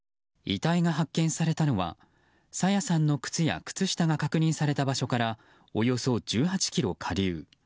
遺体が発見されたのは朝芽さんの靴や靴下が確認された場所からおよそ１８ｋｍ下流。